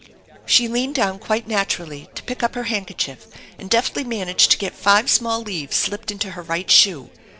She leaned down quite naturally to pick up her handkerchief and deftly managed tc get five small leaves slipped into her right shoe.